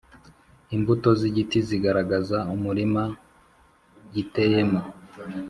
Imbuto z’igiti zigaragaza umurima giteyemo,